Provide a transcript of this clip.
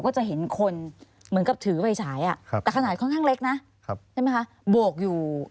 ก็จะเห็นคนเหมือนกับถือไฟฉาย